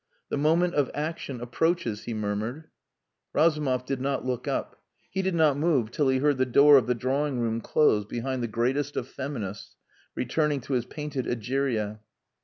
"The moment of action approaches," he murmured. Razumov did not look up. He did not move till he heard the door of the drawing room close behind the greatest of feminists returning to his painted Egeria.